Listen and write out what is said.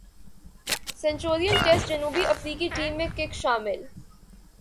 Centurion test جنوبی افریقی team میں کک شامل